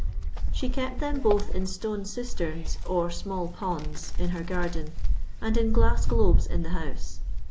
She kept them both in stone cisterns, or small ponds, in her garden, and in glass globes in the house.